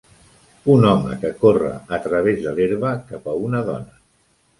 Un home que corre a través de l'herba cap a una dona.